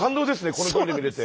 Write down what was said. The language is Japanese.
この距離で見れて。